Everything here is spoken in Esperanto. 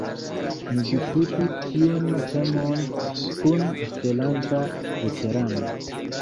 Mi diskutis tiun temon kun Esperanta veterano.